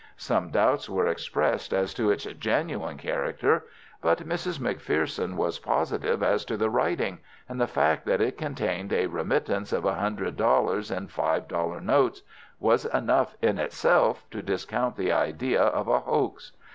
Some doubts were expressed as to its genuine character, but Mrs. McPherson was positive as to the writing, and the fact that it contained a remittance of a hundred dollars in five dollar notes was enough in itself to discount the idea of a hoax.